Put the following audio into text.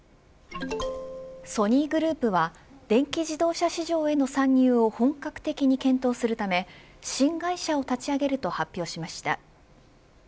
ソニーグループは電気自動車市場への参入を本格的に検討するため新会社を立ち上げると発表しました。